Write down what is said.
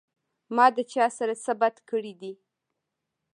ما د چا سره څۀ بد کړي دي